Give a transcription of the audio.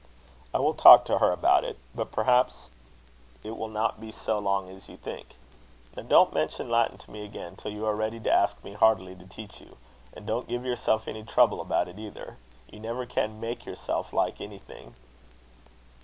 "I will talk to her about it. But perhaps it will not be so long as you think. Now, don't mention Latin to me again, till you are ready to ask me, heartily, to teach you. And don't give yourself any trouble about it either. You never can make yourself like anything."